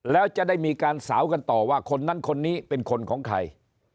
แล้วจะได้มีการสาวกันต่อว่าคนนั้นคนนี้เป็นคนของใคร